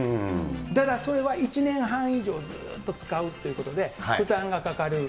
ただ、それは１年半以上ずっと使うということで、負担がかかる。